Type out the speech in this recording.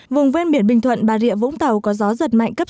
vùng ven biển bình thuận bà rịa vũng tàu có gió giật mạnh cấp sáu